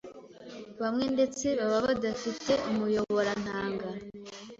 Bamwe ndetse baba badafite umuyoborantanga